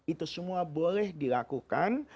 itu semua boleh dilakukan